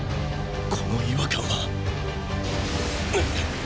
この違和感はっ⁉